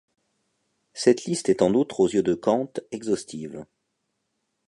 Cette liste est en outre, aux yeux de Kant, exhaustive.